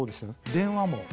電話も。